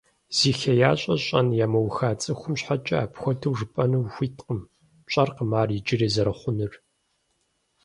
Зи хеящӀэ щӀэн ямыуха цӀыхум щхьэкӀэ апхуэдэу жыпӀэну ухуиткъым, пщӀэркъым ар иджыри зэрыхъунур.